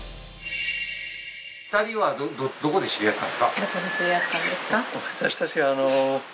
２人はどこで知り合ったんですか？